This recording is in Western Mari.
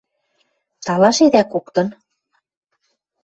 Талашедӓ коктын?